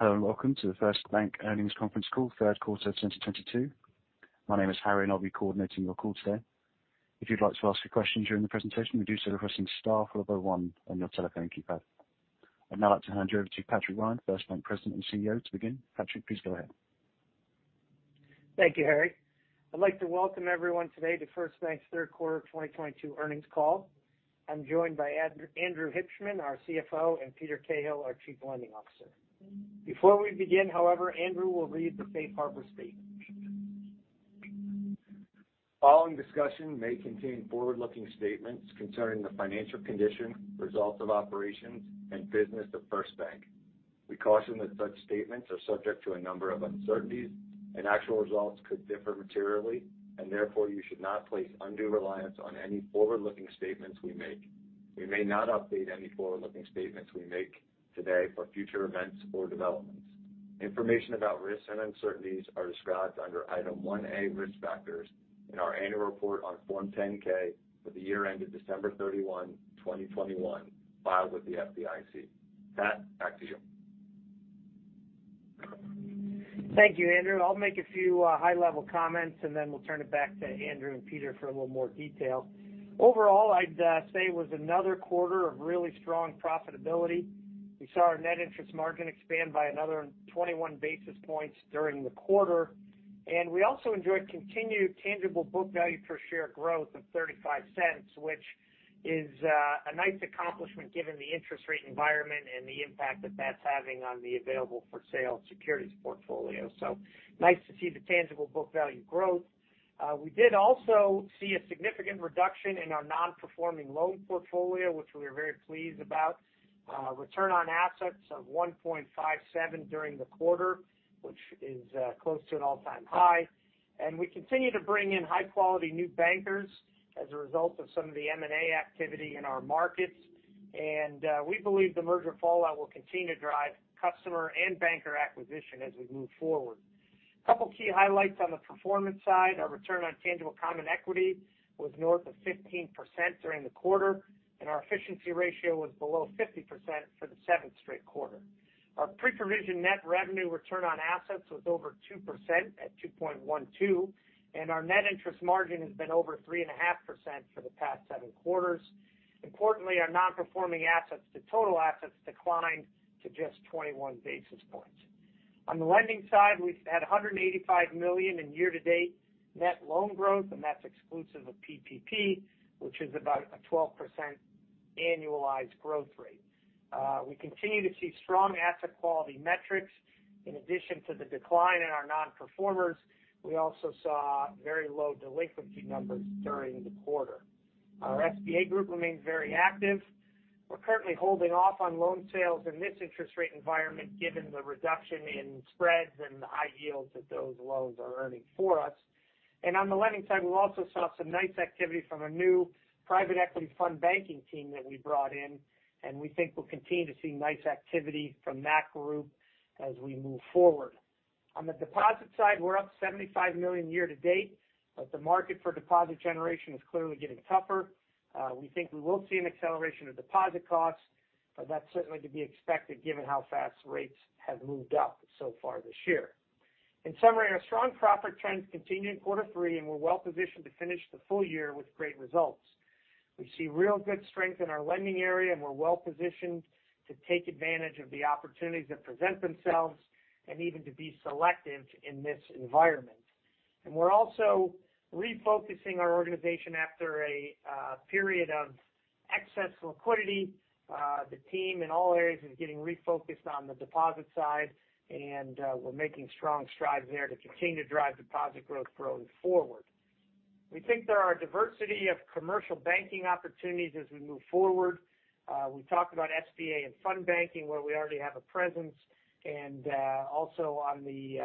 Hello, and welcome to the First Bank Earnings Conference Call, Third Quarter 2022. My name is Harry, and I'll be coordinating your call today. If you'd like to ask a question during the presentation, you do so by pressing star followed by one on your telephone keypad. I'd now like to hand you over to Patrick Ryan, First Bank President and CEO, to begin. Patrick, please go ahead. Thank you, Harry. I'd like to welcome everyone today to First Bank's Third Quarter 2022 Earnings Call. I'm joined by Andrew Hibshman, our CFO, and Peter Cahill, our Chief Lending Officer. Before we begin, however, Andrew will read the safe harbor statement. The following discussion may contain forward-looking statements concerning the financial condition, results of operations, and business of First Bank. We caution that such statements are subject to a number of uncertainties, and actual results could differ materially and therefore you should not place undue reliance on any forward-looking statements we make. We may not update any forward-looking statements we make today for future events or developments. Information about risks and uncertainties are described under Item 1A, Risk Factors in our annual report on Form 10-K for the year ended December 31, 2021, filed with the FDIC. Pat, back to you. Thank you, Andrew. I'll make a few high-level comments, and then we'll turn it back to Andrew and Peter for a little more detail. Overall, I'd say it was another quarter of really strong profitability. We saw our net interest margin expand by another 21 basis points during the quarter. We also enjoyed continued tangible book value per share growth of $0.35, which is a nice accomplishment given the interest rate environment and the impact that that's having on the available for sale securities portfolio. Nice to see the tangible book value growth. We did also see a significant reduction in our non-performing loan portfolio, which we are very pleased about. Return on assets of 1.57% during the quarter, which is close to an all-time high. We continue to bring in high-quality new bankers as a result of some of the M&A activity in our markets. We believe the merger fallout will continue to drive customer and banker acquisition as we move forward. Couple key highlights on the performance side. Our return on tangible common equity was north of 15% during the quarter, and our efficiency ratio was below 50% for the seventh straight quarter. Our pre-provision net revenue return on assets was over 2% at 2.12%, and our net interest margin has been over 3.5% for the past seven quarters. Importantly, our non-performing assets to total assets declined to just 21 basis points. On the lending side, we've had $185 million in year-to-date net loan growth, and that's exclusive of PPP, which is about a 12% annualized growth rate. We continue to see strong asset quality metrics. In addition to the decline in our non-performers, we also saw very low delinquency numbers during the quarter. Our SBA group remains very active. We're currently holding off on loan sales in this interest rate environment, given the reduction in spreads and the high yields that those loans are earning for us. On the lending side, we also saw some nice activity from a new private equity fund banking team that we brought in, and we think we'll continue to see nice activity from that group as we move forward. On the deposit side, we're up $75 million year to date, but the market for deposit generation is clearly getting tougher. We think we will see an acceleration of deposit costs, but that's certainly to be expected given how fast rates have moved up so far this year. In summary, our strong profit trends continued in quarter three, and we're well-positioned to finish the full year with great results. We see real good strength in our lending area, and we're well-positioned to take advantage of the opportunities that present themselves and even to be selective in this environment. We're also refocusing our organization after a period of excess liquidity. The team in all areas is getting refocused on the deposit side, and we're making strong strides there to continue to drive deposit growth going forward. We think there are a diversity of commercial banking opportunities as we move forward. We talked about SBA and fund banking, where we already have a presence, and also on the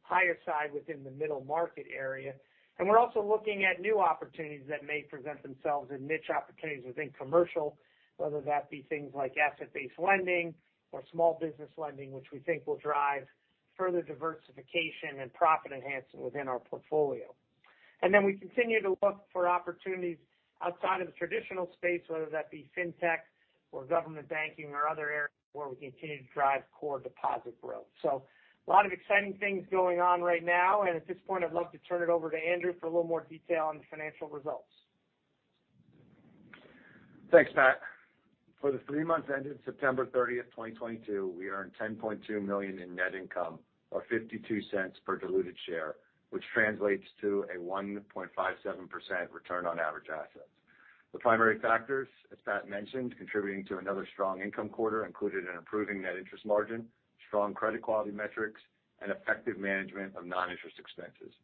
higher side within the middle market area. We're also looking at new opportunities that may present themselves in niche opportunities within commercial, whether that be things like asset-based lending or small business lending, which we think will drive further diversification and profit enhancement within our portfolio. We continue to look for opportunities outside of the traditional space, whether that be fintech or government banking or other areas where we continue to drive core deposit growth. A lot of exciting things going on right now. At this point, I'd love to turn it over to Andrew for a little more detail on the financial results. Thanks, Pat. For the three months ending September 30, 2022, we earned $10.2 million in net income or $0.52 per diluted share, which translates to a 1.57% return on average assets. The primary factors, as Pat mentioned, contributing to another strong income quarter included an improving net interest margin, strong credit quality metrics, and effective management of non-interest expenses.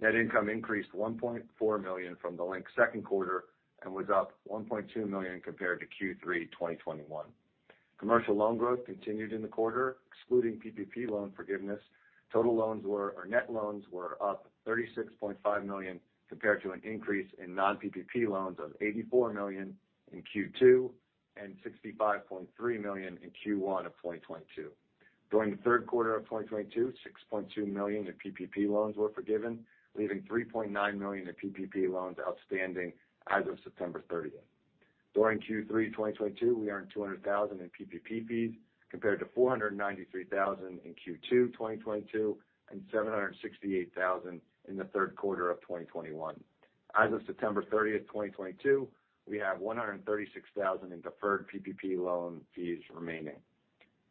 Net income increased $1.4 million from the linked second quarter and was up $1.2 million compared to Q3 2021. Commercial loan growth continued in the quarter, excluding PPP loan forgiveness. Net loans were up $36.5 million compared to an increase in non-PPP loans of $84 million in Q2 and $65.3 million in Q1 of 2022. During the third quarter of 2022, $6.2 million in PPP loans were forgiven, leaving $3.9 million in PPP loans outstanding as of September 30, 2022. During Q3 2022, we earned $200 thousand in PPP fees compared to $493 thousand in Q2 2022 and $768 thousand in the third quarter of 2021. As of September 30, 2022, we have $136 thousand in deferred PPP loan fees remaining.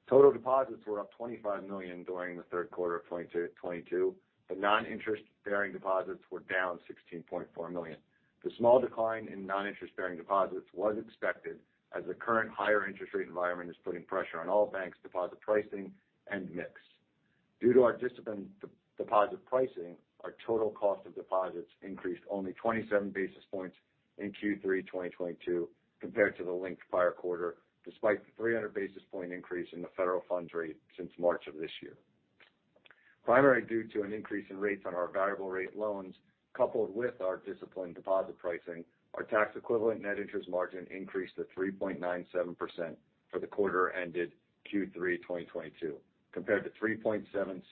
Total deposits were up $25 million during the third quarter of 2022, but non-interest-bearing deposits were down $16.4 million. The small decline in non-interest-bearing deposits was expected as the current higher interest rate environment is putting pressure on all banks' deposit pricing and mix. Due to our disciplined deposit pricing, our total cost of deposits increased only 27 basis points in Q3 2022 compared to the linked prior quarter, despite the 300 basis point increase in the federal funds rate since March of this year. Primarily due to an increase in rates on our variable rate loans, coupled with our disciplined deposit pricing, our tax-equivalent net interest margin increased to 3.97% for the quarter ended Q3 2022 compared to 3.76%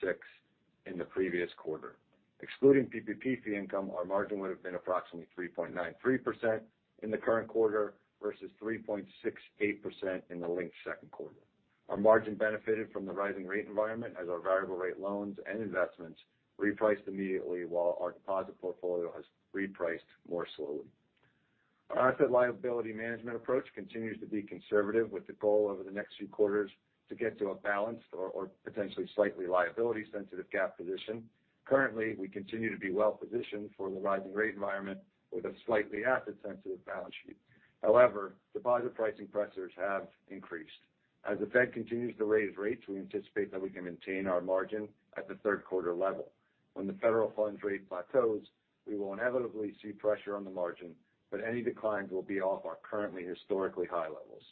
in the previous quarter. Excluding PPP fee income, our margin would've been approximately 3.93% in the current quarter versus 3.68% in the linked second quarter. Our margin benefited from the rising rate environment as our variable rate loans and investments repriced immediately while our deposit portfolio has repriced more slowly. Our asset liability management approach continues to be conservative, with the goal over the next few quarters to get to a balanced or potentially slightly liability-sensitive gap position. Currently, we continue to be well-positioned for the rising rate environment with a slightly asset-sensitive balance sheet. However, deposit pricing pressures have increased. As the Fed continues to raise rates, we anticipate that we can maintain our margin at the third-quarter level. When the federal funds rate plateaus, we will inevitably see pressure on the margin, but any declines will be off our currently historically high levels.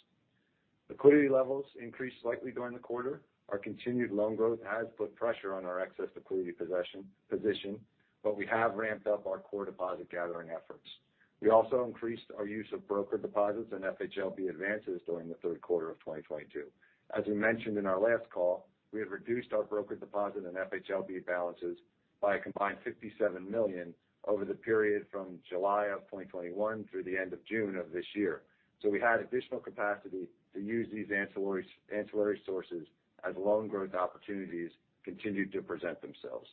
Liquidity levels increased slightly during the quarter. Our continued loan growth has put pressure on our excess liquidity position, but we have ramped up our core deposit gathering efforts. We also increased our use of broker deposits and FHLB advances during the third quarter of 2022. As we mentioned in our last call, we have reduced our broker deposit and FHLB balances by a combined $57 million over the period from July of 2021 through the end of June of this year. We had additional capacity to use these ancillary sources as loan growth opportunities continued to present themselves.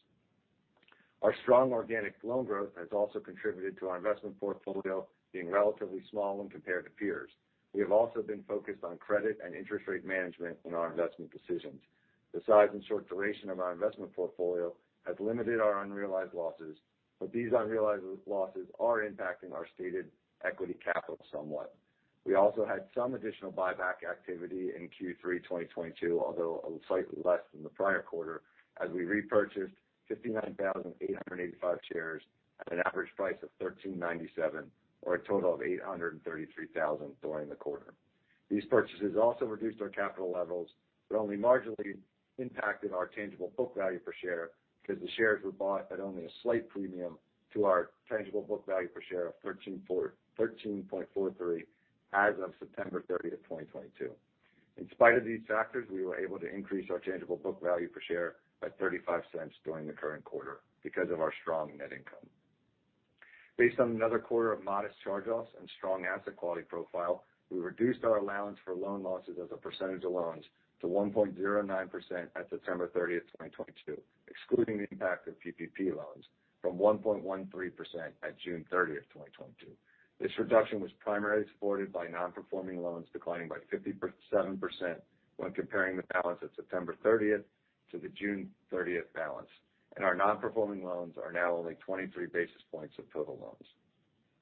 Our strong organic loan growth has also contributed to our investment portfolio being relatively small when compared to peers. We have also been focused on credit and interest rate management in our investment decisions. The size and short duration of our investment portfolio has limited our unrealized losses, but these unrealized losses are impacting our stated equity capital somewhat. We also had some additional buyback activity in Q3 2022, although slightly less than the prior quarter as we repurchased 59,885 shares at an average price of $13.97, or a total of $833,000 during the quarter. These purchases also reduced our capital levels, but only marginally impacted our tangible book value per share because the shares were bought at only a slight premium to our tangible book value per share of $13.43 as of September 30, 2022. In spite of these factors, we were able to increase our tangible book value per share by $0.35 during the current quarter because of our strong net income. Based on another quarter of modest charge-offs and strong asset quality profile, we reduced our allowance for loan losses as a percentage of loans to 1.09% at September 30, 2022, excluding the impact of PPP loans, from 1.13% at June 30, 2022. This reduction was primarily supported by non-performing loans declining by 57% when comparing the balance at September 30 to the June 30 balance. Our non-performing loans are now only 23 basis points of total loans.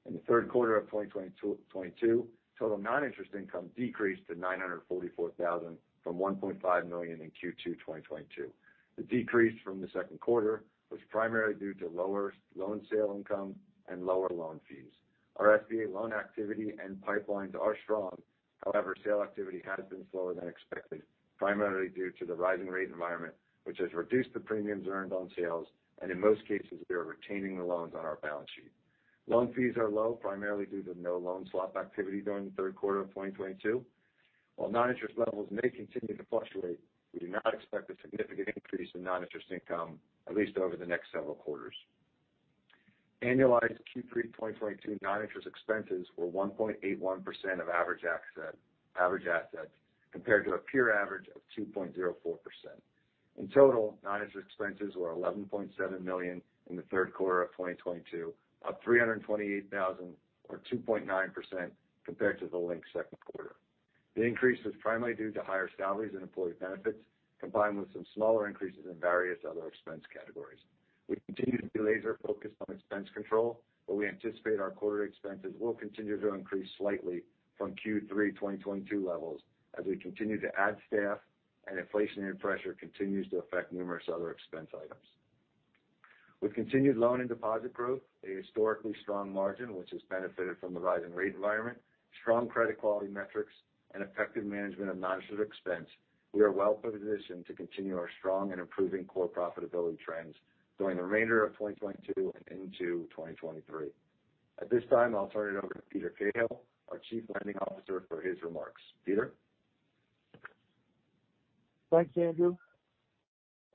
In the third quarter of 2022, total non-interest income decreased to $944,000 from $1.5 million in Q2 2022. The decrease from the second quarter was primarily due to lower loan sale income and lower loan fees. Our SBA loan activity and pipelines are strong. However, sale activity has been slower than expected, primarily due to the rising rate environment, which has reduced the premiums earned on sales, and in most cases, we are retaining the loans on our balance sheet. Loan fees are low, primarily due to no loan swap activity during the third quarter of 2022. While non-interest levels may continue to fluctuate, we do not expect a significant increase in non-interest income, at least over the next several quarters. Annualized Q3 2022 non-interest expenses were 1.81% of average assets, compared to a peer average of 2.04%. In total, non-interest expenses were $11.7 million in the third quarter of 2022, up $328,000 or 2.9% compared to the linked second quarter. The increase was primarily due to higher salaries and employee benefits, combined with some smaller increases in various other expense categories. We continue to be laser focused on expense control, but we anticipate our quarterly expenses will continue to increase slightly from Q3 2022 levels as we continue to add staff and inflationary pressure continues to affect numerous other expense items. With continued loan and deposit growth, a historically strong margin, which has benefited from the rising rate environment, strong credit quality metrics, and effective management of non-interest expense, we are well-positioned to continue our strong and improving core profitability trends during the remainder of 2022 and into 2023. At this time, I'll turn it over to Peter Cahill, our Chief Lending Officer, for his remarks. Peter? Thanks, Andrew.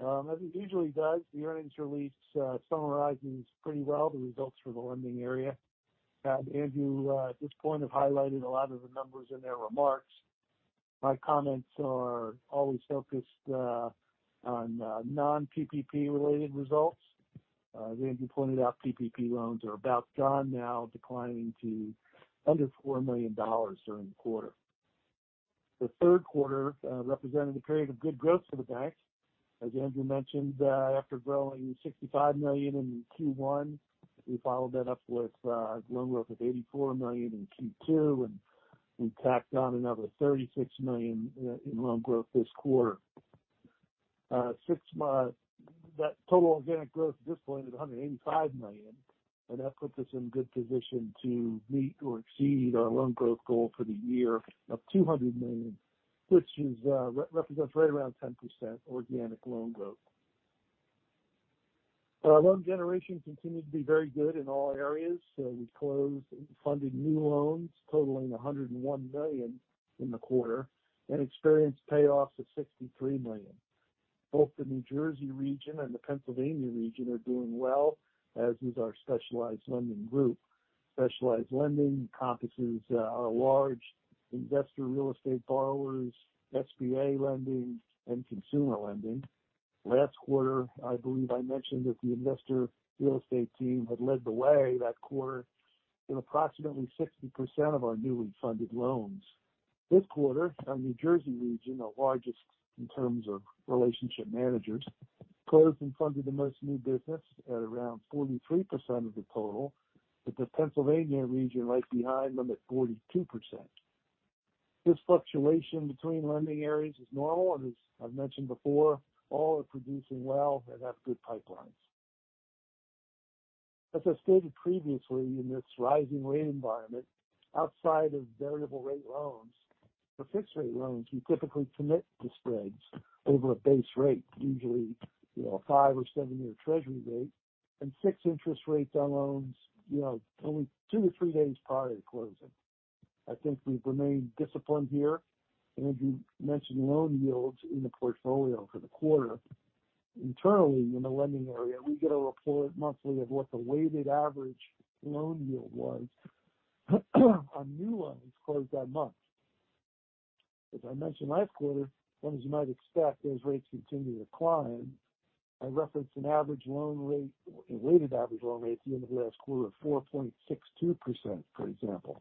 As it usually does, the earnings release summarizes pretty well the results for the lending area. Andrew, at this point, have highlighted a lot of the numbers in their remarks. My comments are always focused on non-PPP related results. As Andrew pointed out, PPP loans are about gone now, declining to under $4 million during the quarter. The third quarter represented a period of good growth for the bank. As Andrew mentioned, after growing $65 million in Q1, we followed that up with loan growth of $84 million in Q2, and we tacked on another $36 million in loan growth this quarter. Six months, that total organic growth at this point is $185 million, and that puts us in good position to meet or exceed our loan growth goal for the year of $200 million, which represents right around 10% organic loan growth. Our loan generation continued to be very good in all areas, so we closed and funded new loans totaling $101 million in the quarter and experienced payoffs of $63 million. Both the New Jersey region and the Pennsylvania region are doing well, as is our specialized lending group. Specialized lending encompasses our large investor real estate borrowers, SBA lending and consumer lending. Last quarter, I believe I mentioned that the investor real estate team had led the way that quarter in approximately 60% of our newly funded loans. This quarter, our New Jersey region, our largest in terms of relationship managers, closed and funded the most new business at around 43% of the total, with the Pennsylvania region right behind them at 42%. This fluctuation between lending areas is normal, and as I've mentioned before, all are producing well and have good pipelines. As I stated previously, in this rising rate environment, outside of variable rate loans, for fixed rate loans, you typically commit to spreads over a base rate, usually, you know, 5 or 7-year Treasury rate and fix interest rates on loans, only 2-3 days prior to closing. I think we've remained disciplined here. Andrew mentioned loan yields in the portfolio for the quarter. Internally in the lending area, we get a report monthly of what the weighted average loan yield was on new loans closed that month. As I mentioned last quarter, and as you might expect, those rates continue to climb. I referenced an average loan rate, a weighted average loan rate at the end of last quarter of 4.62%, for example.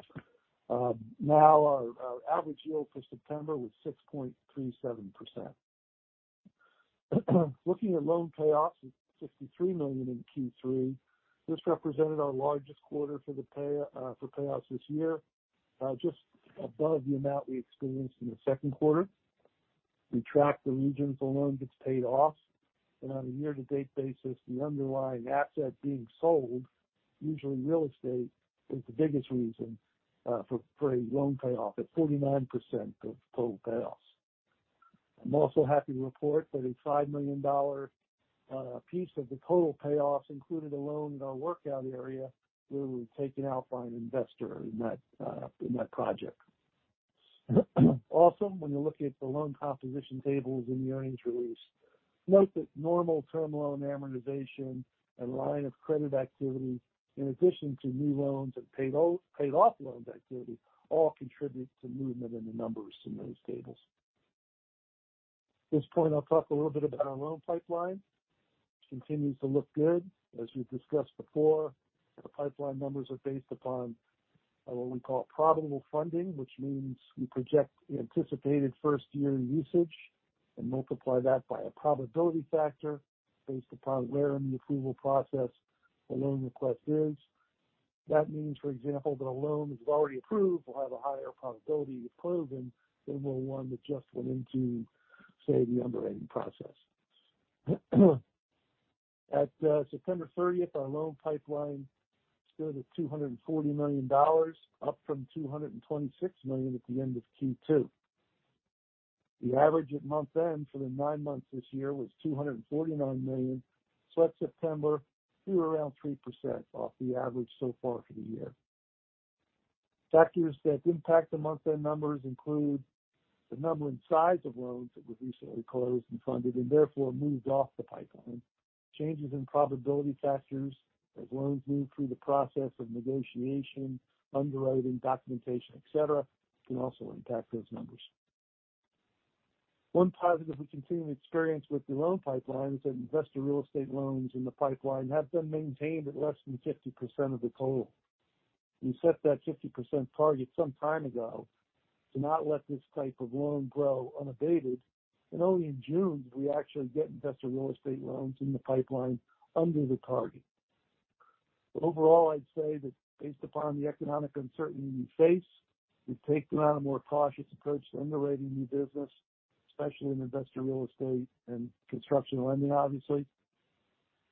Now our average yield for September was 6.37%. Looking at loan payoffs of $63 million in Q3, this represented our largest quarter for payouts this year, just above the amount we experienced in the second quarter. We tracked the reasons loans get paid off, and on a year-to-date basis, the underlying asset being sold, usually real estate, is the biggest reason for a loan payoff at 49% of total payoffs. I'm also happy to report that a $5 million piece of the total payoffs included a loan in our workout area where we were taken out by an investor in that project. Also, when you're looking at the loan composition tables in the earnings release, note that normal term loan amortization and line of credit activity in addition to new loans and paid off loans activity, all contribute to movement in the numbers in those tables. At this point, I'll talk a little bit about our loan pipeline, which continues to look good. As we've discussed before, the pipeline numbers are based upon what we call probable funding, which means we project the anticipated first year usage and multiply that by a probability factor based upon where in the approval process the loan request is. That means, for example, that a loan that is already approved will have a higher probability of closing than will one that just went into, say, the underwriting process. At September 30, our loan pipeline stood at $240 million, up from $226 million at the end of Q2. The average at month-end for the nine months this year was $249 million, so at September, we were around 3% off the average so far for the year. Factors that impact the month-end numbers include the number and size of loans that were recently closed and funded and therefore moved off the pipeline. Changes in probability factors as loans move through the process of negotiation, underwriting, documentation, et cetera, can also impact those numbers. One positive we continue to experience with the loan pipeline is that investor real estate loans in the pipeline have been maintained at less than 50% of the total. We set that 50% target some time ago to not let this type of loan grow unabated, and only in June did we actually get investor real estate loans in the pipeline under the target. Overall, I'd say that based upon the economic uncertainty we face, we've taken on a more cautious approach to underwriting new business, especially in investor real estate and construction lending, obviously.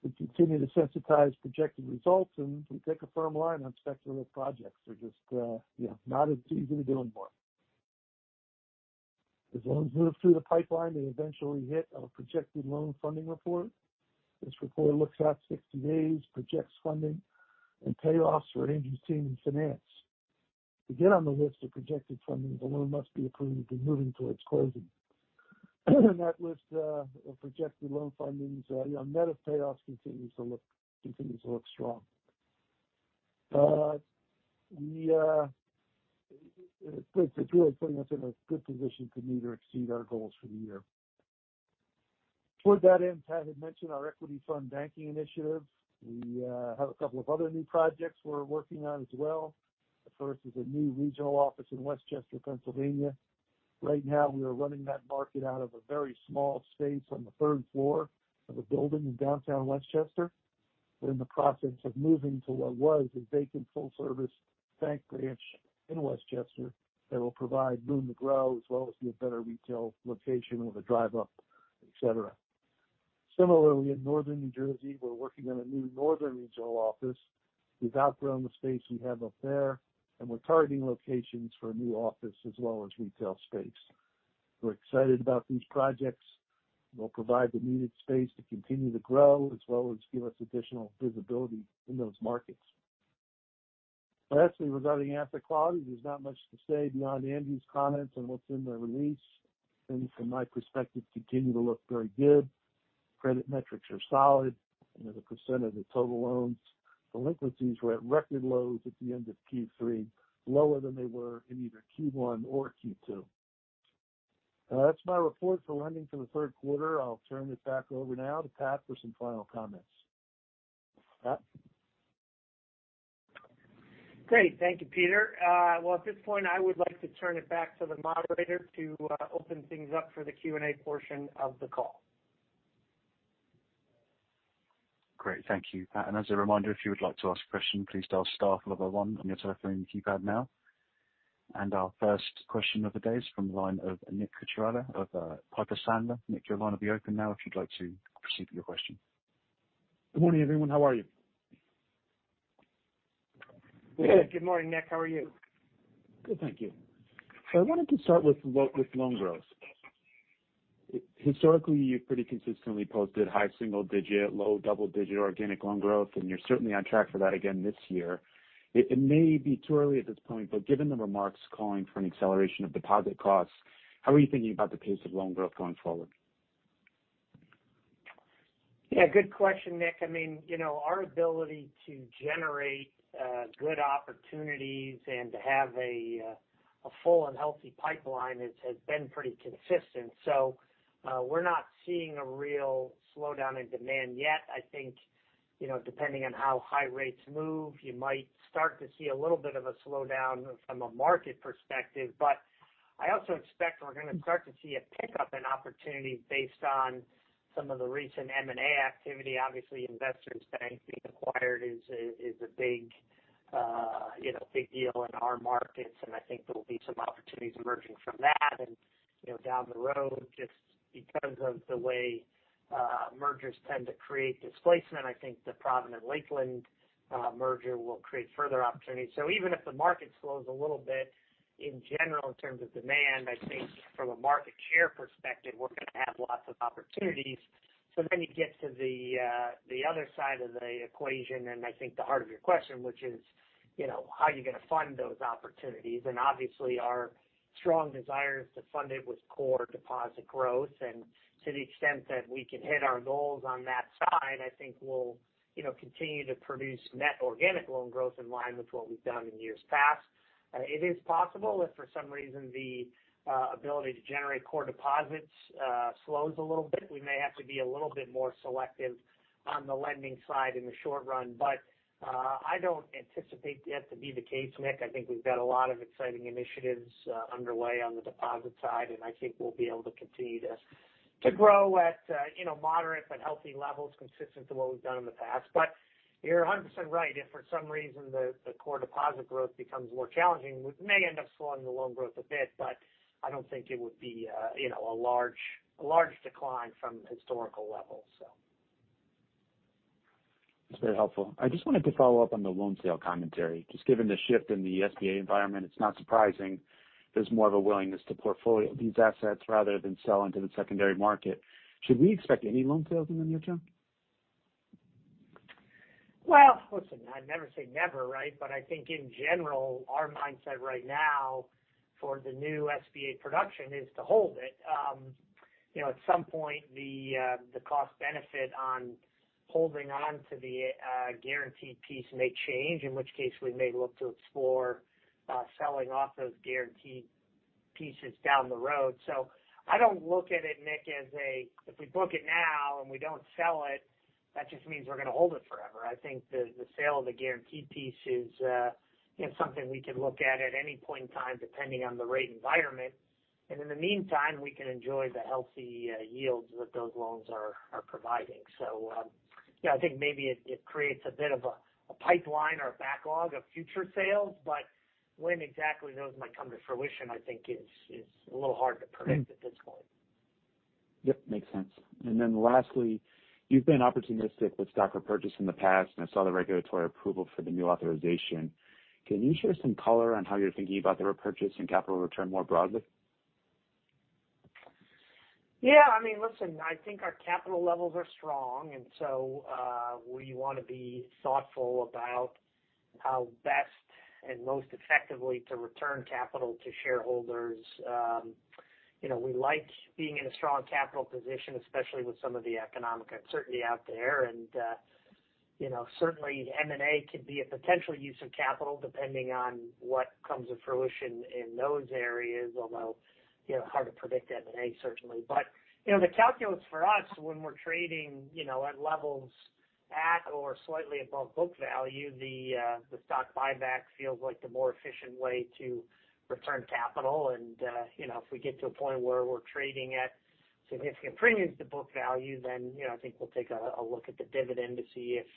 We continue to sensitize projected results, and we take a firm line on speculative projects. They're just, you know, not as easy to do anymore. As loans move through the pipeline, they eventually hit our projected loan funding report. This report looks out 60 days, projects funding and payoffs for Andrew's team in finance. To get on the list of projected funding, the loan must be approved and moving towards closing. That list of projected loan fundings, you know, net of payoffs continues to look strong. It's really putting us in a good position to meet or exceed our goals for the year. Toward that end, Pat had mentioned our equity fund banking initiative. We have a couple of other new projects we're working on as well. The first is a new regional office in West Chester, Pennsylvania. Right now, we are running that market out of a very small space on the third floor of a building in downtown West Chester. We're in the process of moving to what was a vacant full service bank branch in West Chester that will provide room to grow as well as be a better retail location with a drive up, et cetera. Similarly, in Northern New Jersey, we're working on a new northern regional office. We've outgrown the space we have up there, and we're targeting locations for a new office as well as retail space. We're excited about these projects. They'll provide the needed space to continue to grow as well as give us additional visibility in those markets. Lastly, regarding asset quality, there's not much to say beyond Andy's comments on what's in the release. Things from my perspective continue to look very good. Credit metrics are solid. You know, the percent of the total loans. Delinquencies were at record lows at the end of Q3, lower than they were in either Q1 or Q2. That's my report for lending for the third quarter. I'll turn this back over now to Pat for some final comments. Pat. Great. Thank you, Peter. Well, at this point, I would like to turn it back to the moderator to open things up for the Q&A portion of the call. Great. Thank you. As a reminder, if you would like to ask a question, please dial star followed by one on your telephone keypad now. Our first question of the day is from the line of Nate Race of Piper Sandler. Nate, your line will be open now if you'd like to proceed with your question. Good morning, everyone. How are you? Good morning, Nate. How are you? Good, thank you. I wanted to start with loan growth. Historically, you've pretty consistently posted high single digit, low double digit organic loan growth, and you're certainly on track for that again this year. It may be too early at this point, but given the remarks calling for an acceleration of deposit costs, how are you thinking about the pace of loan growth going forward? Good question. Nate our ability to generate good opportunities and to have a full and healthy pipeline has been pretty consistent. We're not seeing a real slowdown in demand yet. I think, you know, depending on how high rates move, you might start to see a little bit of a slowdown from a market perspective. But I also expect we're gonna start to see a pickup in opportunities based on some of the recent M&A activity. Obviously, Investors Bancorp being acquired is a big deal in our markets, and I think there will be some opportunities emerging from that. You know, down the road, just because of the way mergers tend to create displacement, I think the Provident Lakeland merger will create further opportunities. Even if the market slows a little bit in general in terms of demand, I think from a market share perspective, we're gonna have lots of opportunities. You get to the other side of the equation, and I think the heart of your question, which is, you know, how are you gonna fund those opportunities? Obviously, our strong desire is to fund it with core deposit growth. To the extent that we can hit our goals on that side, I think we'll, you know, continue to produce net organic loan growth in line with what we've done in years past. It is possible if for some reason the ability to generate core deposits slows a little bit, we may have to be a little bit more selective on the lending side in the short run. I don't anticipate that to be the case, Nate. I think we've got a lot of exciting initiatives underway on the deposit side, and I think we'll be able to continue to grow at, you know, moderate but healthy levels consistent to what we've done in the past. You're 100% right. If for some reason the core deposit growth becomes more challenging, we may end up slowing the loan growth a bit, but I don't think it would be, you know, a large decline from historical levels, so. That's very helpful. I just wanted to follow up on the loan sale commentary. Just given the shift in the SBA environment, it's not surprising there's more of a willingness to portfolio these assets rather than sell into the secondary market. Should we expect any loan sales in the near term? Well, listen, I never say never, right? But I think in general, our mindset right now for the new SBA production is to hold it. You know, at some point the cost benefit on holding on to the guaranteed piece may change, in which case we may look to explore selling off those guaranteed pieces down the road. So I don't look at it, Nate, as if we book it now and we don't sell it, that just means we're gonna hold it forever. I think the sale of the guaranteed piece is you know, something we could look at at any point in time, depending on the rate environment. In the meantime, we can enjoy the healthy yields that those loans are providing. Maybe it creates a bit of a pipeline or a backlog of future sales. When exactly those might come to fruition, I think is a little hard to predict at this point. Yep, makes sense. Lastly, you've been opportunistic with stock repurchase in the past, and I saw the regulatory approval for the new authorization. Can you share some color on how you're thinking about the repurchase and capital return more broadly? Listen, I think our capital levels are strong. We wanna be thoughtful about how best and most effectively to return capital to shareholders. You know, we like being in a strong capital position, especially with some of the economic uncertainty out there. You know, certainly M&A could be a potential use of capital depending on what comes to fruition in those areas. Although, hard to predict M&A certainly. You know, the calculus for us when we're trading, you know, at levels at or slightly above book value, the stock buyback feels like the more efficient way to return capital. If we get to a point where we're trading at significant premiums to book value, then I think we'll take a look at the dividend to see if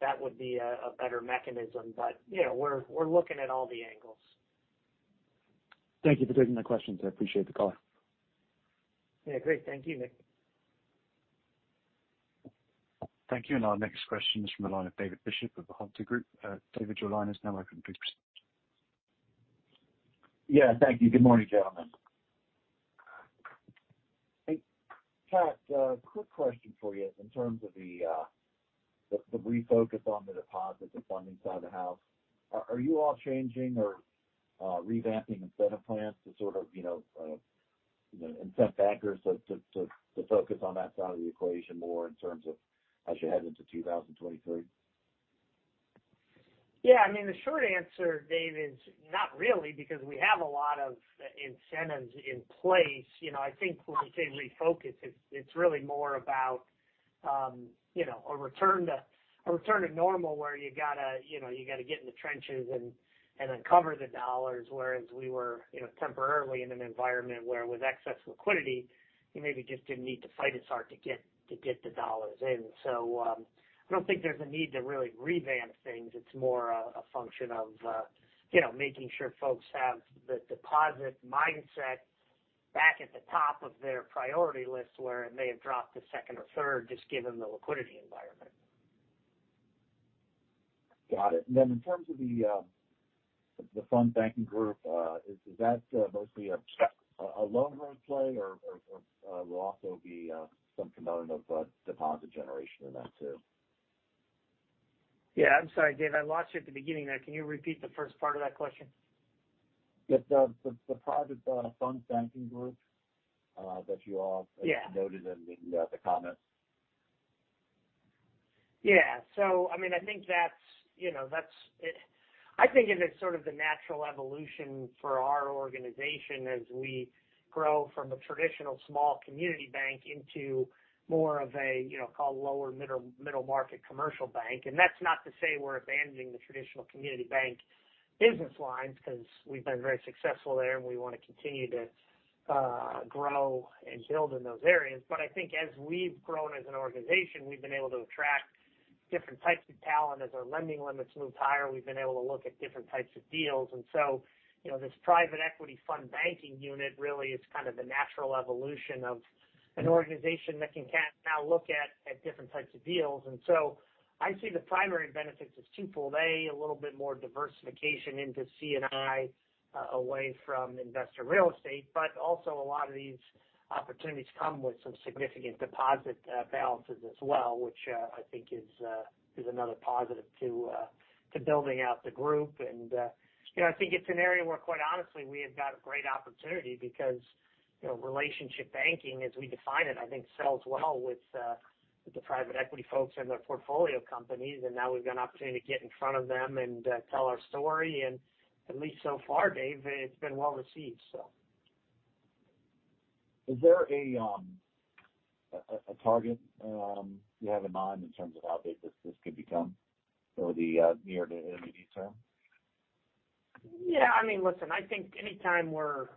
that would be a better mechanism. But we're looking at all the angles. Thank you for taking my questions. I appreciate the call. Great. Thank you, Nate. Thank you. Our next question is from the line of David Bishop of Hovde Group. David, your line is now open. Please proceed. Thank you. Good morning, gentlemen. Hey, Pat, a quick question for you in terms of the refocus on the deposit, the funding side of the house. Are you all changing or revamping incentive plans to sort of, you know, you know, incent bankers to focus on that side of the equation more in terms of as you head into 2023? The short answer, Dave, is not really because we have a lot of incentives in place. I think when we say refocus, it's really more about you know a return to normal where you gotta you know get in the trenches and uncover the dollars. Whereas we were you know temporarily in an environment where with excess liquidity, you maybe just didn't need to fight as hard to get the dollars in. I don't think there's a need to really revamp things. It's more a function of you know making sure folks have the deposit mindset back at the top of their priority list where it may have dropped to second or third just given the liquidity environment. Got it. In terms of the fund banking group, is that mostly a loan growth play or will also be some component of deposit generation in that too? I'm sorry, Dave. I lost you at the beginning there. Can you repeat the first part of that question? Yes. The private fund banking group that you all noted in the comments. I think that's it. I think it is the natural evolution for our organization as we grow from a traditional small community bank into more of a call it lower middle market commercial bank. That's not to say we're abandoning the traditional community bank business lines because we've been very successful there, and we want to continue to grow and build in those areas. I think as we've grown as an organization, we've been able to attract different types of talent. As our lending limits moved higher, we've been able to look at different types of deals. You know, this private equity fund banking unit really is kind of the natural evolution of an organization that can now look at different types of deals. I see the primary benefits as twofold. A, a little bit more diversification into C&I, away from investor real estate, but also a lot of these opportunities come with some significant deposit balances as well, which I think is another positive to building out the group. You know, I think it's an area where quite honestly, we have got a great opportunity because relationship banking as we define it, I think sells well with the private equity folks and their portfolio companies. Now we've got an opportunity to get in front of them and tell our story. At least so far, Dave, it's been well received. Is there a target you have in mind in terms of how big this could become over the near to intermediate term? Listen, I think anytime we're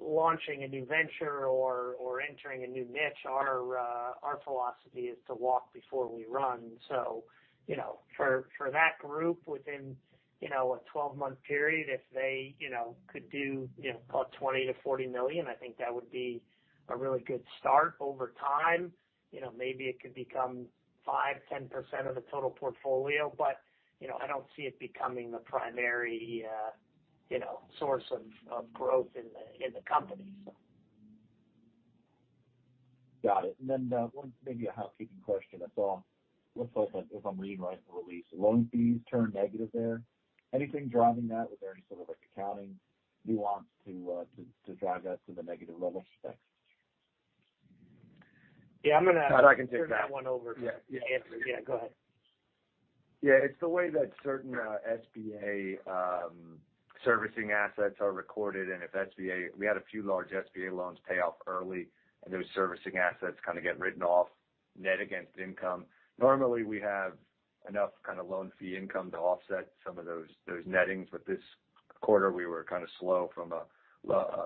launching a new venture or entering a new niche, our philosophy is to walk before we run. You know, for that group within a 12-month period, if they could do, you know, call it $20 million to $40 million, I think that would be a really good start over time. You know, maybe it could become 5%-10% of the total portfolio. But I don't see it becoming the primary, you know, source of growth in the company, so. Got it. One maybe a housekeeping question I saw. Looks like if I'm reading right in the release, loan fees turned negative there. Anything driving that or is there any sort of like accounting nuance to drive that to the negative level? Thanks. Pat, I can take that. Turn that one over. Go ahead. It's the way that certain SBA servicing assets are recorded. We had a few large SBA loans pay off early, and those servicing assets get written off net against income. Normally, we have enough loan fee income to offset some of those nettings. This quarter we were slow from a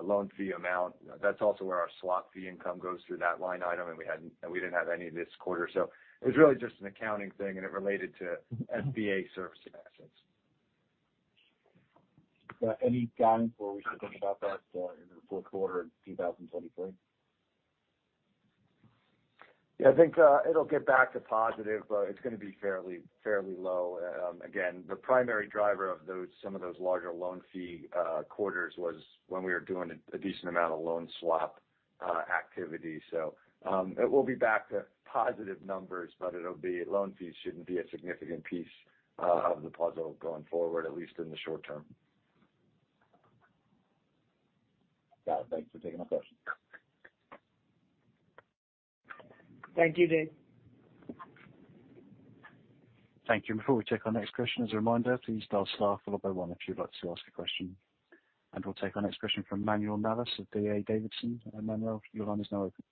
loan fee amount. That's also where our swap fee income goes through that line item, and we didn't have any this quarter. It was really just an accounting thing, and it related to SBA servicing assets. Any guidance where we should think about that in the fourth quarter of 2023? I think it'll get back to positive, but it's gonna be fairly low. Again, the primary driver of some of those larger loan fee quarters was when we were doing a decent amount of loan swap activity. It will be back to positive numbers, but it'll be. Loan fees shouldn't be a significant piece of the puzzle going forward, at least in the short term. Got it. Thanks for taking my question. Thank you, Dave. Thank you. Before we take our next question, as a reminder, please dial star followed by one if you'd like to ask a question. We'll take our next question from Manuel Navas of D.A. Davidson. Manuel, your line is now open.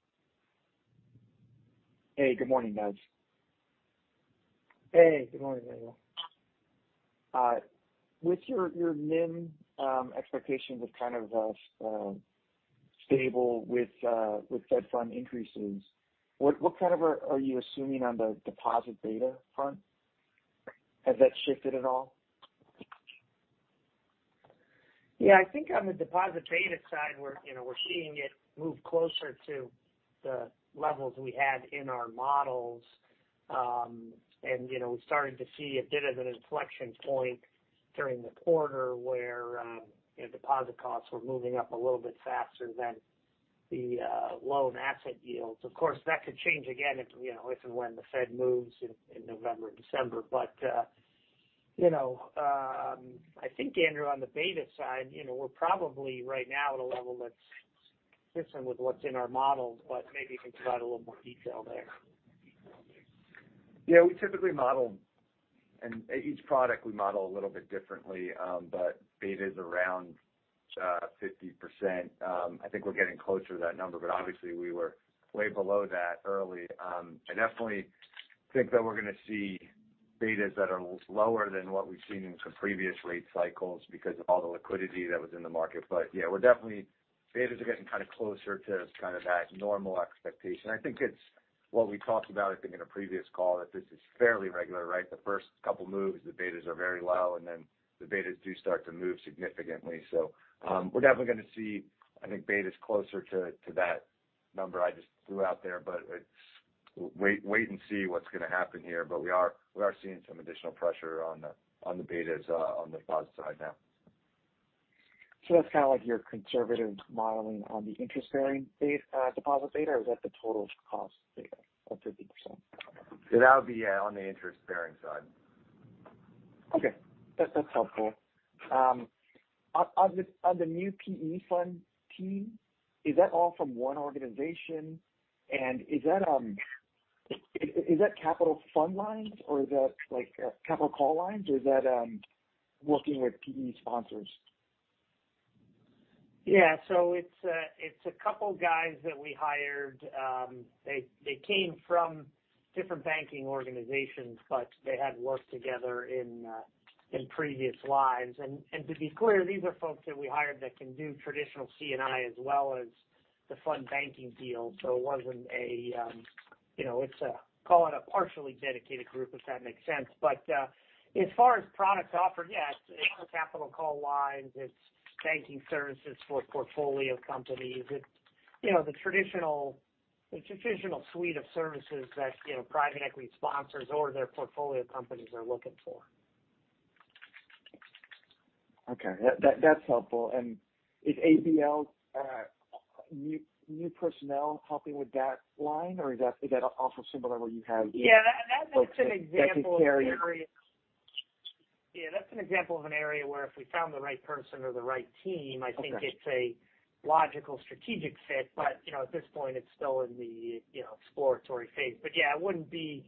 Hey, good morning, guys. Hey, good morning, Manuel. With your NIM expectations of kind of stable with fed funds increases, what kind of are you assuming on the deposit beta front? Has that shifted at all? I think on the deposit beta side we're seeing it move closer to the levels we had in our models. You know, we're starting to see a bit of an inflection point during the quarter where you know, deposit costs were moving up a little bit faster than the loan asset yields. Of course, that could change again if you know, if and when the Fed moves in November or December. You know, I think, Andrew, on the beta side, you know, we're probably right now at a level that's consistent with what's in our models, but maybe you can provide a little more detail there. We typically model and each product we model a little bit differently, but beta's around 50%. I think we're getting closer to that number, but obviously we were way below that early. I definitely think that we're gonna see betas that are lower than what we've seen in some previous rate cycles because of all the liquidity that was in the market. Betas are getting closer to that normal expectation. I think it's what we talked about in a previous call, that this is fairly regular, right? The first couple moves, the betas are very low, and then the betas do start to move significantly. We're definitely gonna see, I think, betas closer to that number I just threw out there. It's wait and see what's gonna happen here. We are seeing some additional pressure on the betas on the deposit side now. That's like your conservative modeling on the interest-bearing base, deposit beta, or is that the total cost beta of 50%? That would be on the interest-bearing side. Okay. That's helpful. On the new PE fund team, is that all from one organization? Is that capital call lines or is that like capital call lines or is that working with PE sponsors? It's a couple guys that we hired. They came from different banking organizations, but they had worked together in previous lives. To be clear, these are folks that we hired that can do traditional C&I as well as the fund banking deal. It wasn't a call it a partially dedicated group if that makes sense. As far as products offered it's capital call lines. It's banking services for portfolio companies. It's the traditional suite of services that, you know, private equity sponsors or their portfolio companies are looking for. Okay. That's helpful. Is ABL's new personnel helping with that line or is that also similar where you have folks that can carry it? That's an example of an area. That's an example of an area where if we found the right person or the right team. Okay. I think it's a logical strategic fit. You know, at this point it's still in the, you know, exploratory phase. It wouldn't be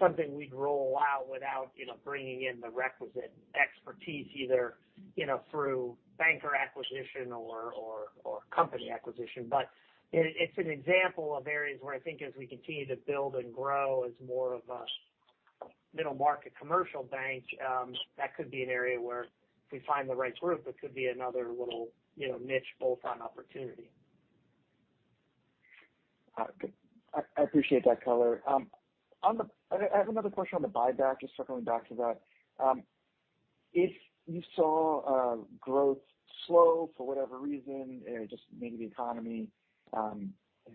something we'd roll out without bringing in the requisite expertise either, you know, through banker acquisition or company acquisition. It's an example of areas where I think as we continue to build and grow as more of a middle market commercial bank, that could be an area where if we find the right group, it could be another little, you know, niche bolt-on opportunity. I appreciate that color. I have another question on the buyback, just circling back to that. If you saw growth slow for whatever reason, just maybe the economy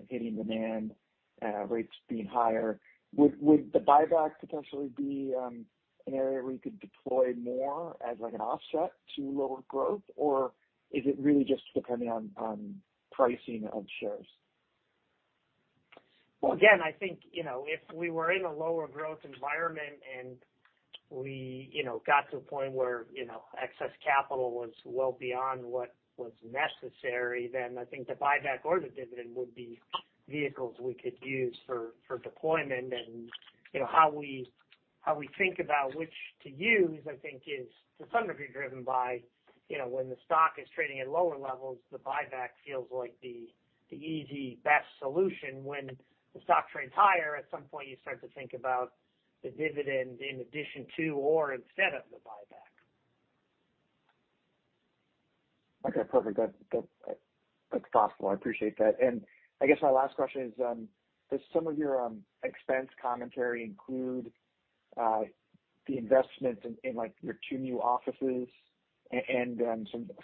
hitting demand, rates being higher, would the buyback potentially be an area where you could deploy more as like an offset to lower growth? Or is it really just depending on pricing of shares? Well, again, I think, you know, if we were in a lower growth environment and we, you know, got to a point where excess capital was well beyond what was necessary, then I think the buyback or the dividend would be vehicles we could use for deployment. You know, how we think about which to use, I think is to some degree driven by, you know, when the stock is trading at lower levels, the buyback feels like the easy best solution. When the stock trades higher, at some point you start to think about the dividend in addition to or instead of the buyback. Okay. Perfect. That's thoughtful. I appreciate that. I guess my last question is, does some of your expense commentary include the investments in like your two new offices and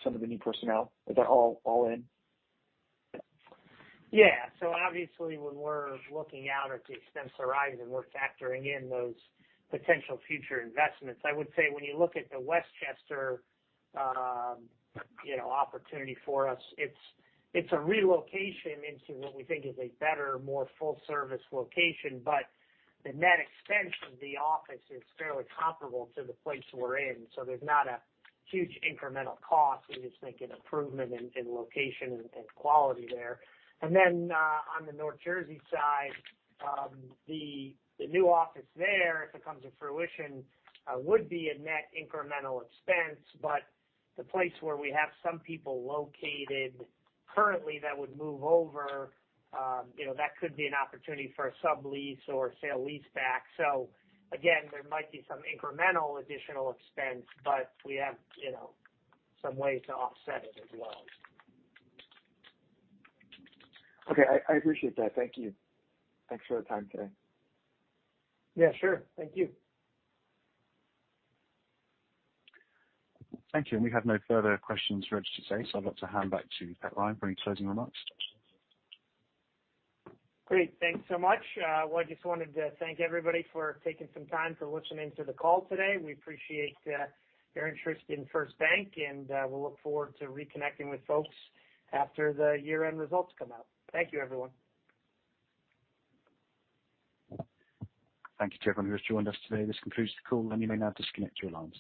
some of the new personnel? Is that all in? Obviously, when we're looking out at the expense horizon, we're factoring in those potential future investments. I would say when you look at the West Chester, you know, opportunity for us, it's a relocation into what we think is a better, more full-service location. The net expense of the office is fairly comparable to the place we're in. There's not a huge incremental cost. We just think an improvement in location and quality there. On the North Jersey side, the new office there, if it comes to fruition, would be a net incremental expense. The place where we have some people located currently that would move over, you know, that could be an opportunity for a sublease or sale-leaseback. Again, there might be some incremental additional expense, but we have some ways to offset it as well. Okay. I appreciate that. Thank you. Thanks for the time today. Sure. Thank you. Thank you. We have no further questions registered today, so I'd like to hand back to Patrick Ryan for any closing remarks. Great. Thanks so much. Well, I just wanted to thank everybody for taking some time for listening to the call today. We appreciate your interest in First Bank, and we'll look forward to reconnecting with folks after the year-end results come out. Thank you, everyone. Thank you to everyone who has joined us today. This concludes the call, and you may now disconnect your lines.